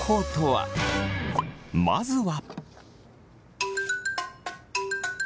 まずは。